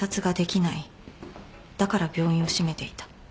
だから病院を閉めていた。